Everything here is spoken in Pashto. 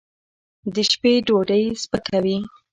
د شپې ډوډۍ سپکه وي.